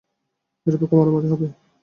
নিরপেক্ষ মারামারি হবে।